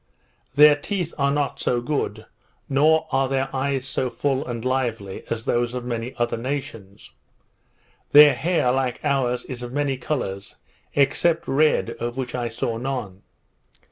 Their teeth are not so good, nor are their eyes so full and lively as those of many other nations. Their hair, like ours, is of many colours, except red, of which I saw none.